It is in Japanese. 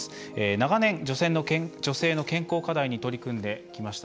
長年女性の健康課題に取り組んできました